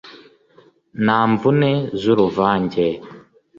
nta mvune z’uruvange